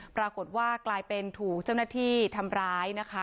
ปรากฏว่ากลายเป็นถูกเจ้าหน้าที่ทำร้ายนะคะ